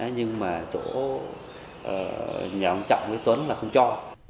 nhưng mà chỗ nhà ông trọng với tuấn là không cho